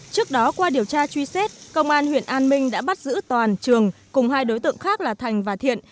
trước đó qua điều tra truy xét công an huyện an minh đã bắt giữ toàn trường cùng hai đối tượng khác là thành và thiện